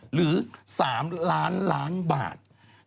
หรือ๓ล้านล้านบาท